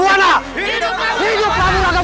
jaga dewa batara